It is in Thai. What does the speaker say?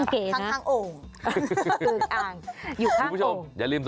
เก๋นะอยู่ข้างโอ่งอยู่ข้างโอ่งพี่ผู้ชมอย่าลืมส่ง